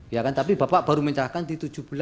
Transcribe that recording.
ya kan tapi bapak baru menyerahkan di tujuh belas